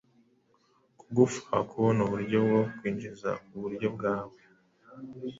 kugufaha kubona uburyo bwo kwinjiza uburyo bwawe